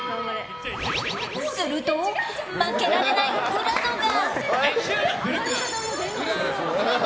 すると、負けられない浦野が。